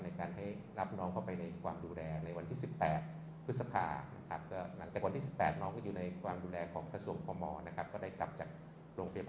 ในการให้รับน้องเข้าไปในความดูแลในวันที่๑๘พฤษภานะครับ